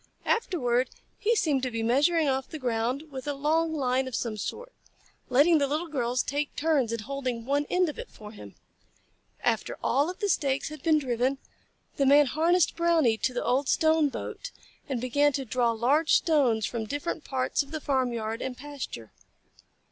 Afterward he seemed to be measuring off the ground with a long line of some sort, letting the Little Girls take turns in holding one end of it for him. After all of the stakes had been driven, the Man harnessed Brownie to the old stone boat and began to draw large stones from different parts of the farmyard and pasture.